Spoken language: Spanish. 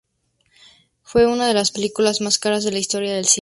Fue una de las películas más caras de la historia del cine.